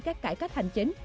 các cải cách hành chính